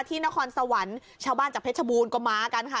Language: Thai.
นครสวรรค์ชาวบ้านจากเพชรบูรณ์ก็มากันค่ะ